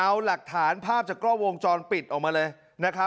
เอาหลักฐานภาพจากกล้อวงจรปิดออกมาเลย